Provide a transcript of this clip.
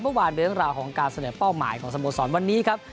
เมื่อวานเป็นเรื่องราวของการเสนอเป้าหมายของสโมสรวันนี้ครับ